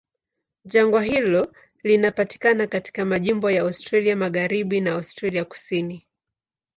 Jangwa hilo linapatikana katika majimbo ya Australia Magharibi na Australia Kusini.